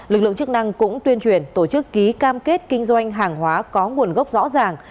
lực lượng chức năng cũng tuyên truyền tổ chức ký cam kết kinh doanh hàng hóa có nguồn gốc rõ ràng